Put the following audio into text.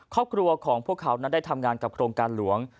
ครอบครัวของพวกเขานั้นได้ทำงานกับโครงการหลวง